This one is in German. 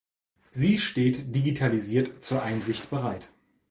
Sie steht digitalisiert zur Einsicht bereit.